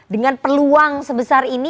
dengan peluang sebesar ini